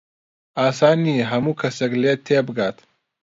ئاسان نییە هەموو کەسێک لێت تێبگات.